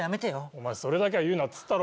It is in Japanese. お前それだけは言うなっつったろ。